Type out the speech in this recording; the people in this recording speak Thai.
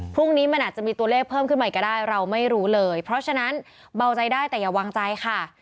พรุ่งนี้มันอาจจะมีตัวเลขเพิ่มขึ้นมาอีกก็ได้เราไม่รู้เลยเพราะฉะนั้นเบาใจได้แต่อย่าวางใจค่ะ